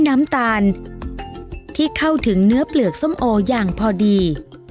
น้ำตาลที่เข้าถึงเนื้อเปลือกส้มโออย่างพอดี